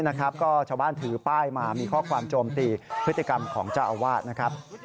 ก็ชาวบ้านถือป้ายมามีข้อความโจมตีพฤติกรรมของเจ้าอาวาสนะครับ